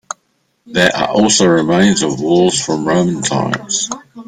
There are also remains of walls from Roman times.